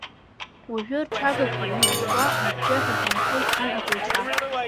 Уажәы рҽагақәа еилышьуа аџьџьаҳәа ҳамхы иҭан аҵаҩцәа.